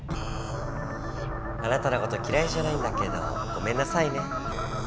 あなたのこときらいじゃないんだけどごめんなさいね。